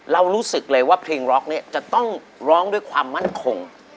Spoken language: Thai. รู้สึกเลยว่าเพลงร็อกเนี่ยจะต้องร้องด้วยความมั่นคง